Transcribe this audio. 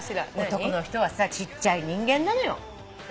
男の人はさちっちゃい人間なのよ。